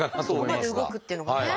そこまで動くというのがね。